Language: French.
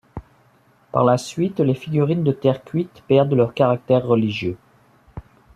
Par la suite, les figurines de terre cuite perdent leur caractère religieux.